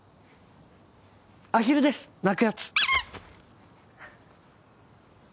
アヒルです鳴くやつ。